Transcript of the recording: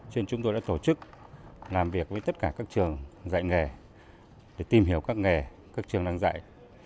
cho nên chúng tôi đã tổ chức làm việc với tất cả các trường dạy nghề để tìm hiểu các nghề các trường đang dạy